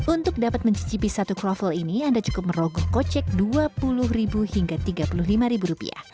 untuk dapat mencicipi satu kroffel ini anda cukup merogoh kocek rp dua puluh hingga rp tiga puluh lima